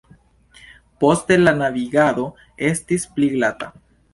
Poste la navigado estis pli glata.